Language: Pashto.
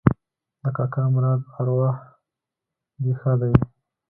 د کاکا مراد اوراح دې ښاده وي